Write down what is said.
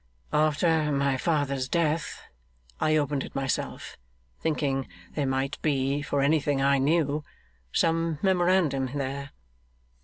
'After my father's death I opened it myself, thinking there might be, for anything I knew, some memorandum there.